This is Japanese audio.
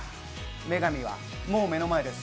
女神はもう目の前です。